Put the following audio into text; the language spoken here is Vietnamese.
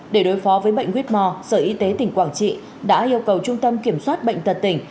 để đối phó với bệnh whitmore sở y tế tỉnh quảng trị đã yêu cầu trung tâm kiểm soát bệnh tật tỉnh